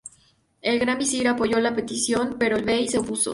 El gran visir apoyó la petición, pero el bey, se opuso.